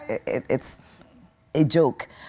ini adalah sebuah jokes